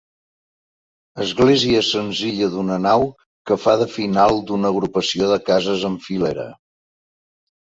Església senzilla d'una nau que fa de final d'una agrupació de cases en filera.